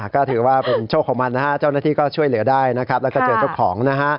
ก็ถือว่าเป็นโชคของมันเจ้าหน้าที่ก็ช่วยเหลือได้แล้วก็เจอเจ้าของ